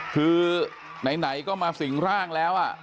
คือไหนก็มาสิ่งร่างแล้ว